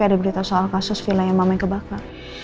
ada berita soal kasus villa yang mamen kebakar